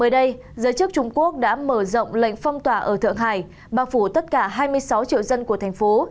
mới đây giới chức trung quốc đã mở rộng lệnh phong tỏa ở thượng hải bao phủ tất cả hai mươi sáu triệu dân của thành phố